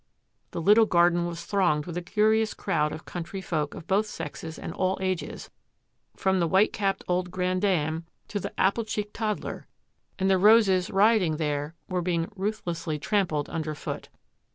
The little garden was thronged with a curious crowd of country folk of both sexes and all ages, from the white capped old grandame to the apple cheeked toddler, and the roses rioting there were 806 THAT AFFAIR AT THE MANOR being ruthlessly trampled under foot.